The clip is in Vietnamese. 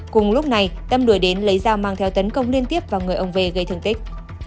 cùng lúc này tâm đuổi đến lấy dao mang theo tấn công liên tiếp vào người ông v gây thương tích